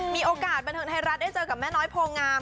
มีโอกาสบันเทิงไทยรัฐได้เจอกับแม่น้อยโพงาม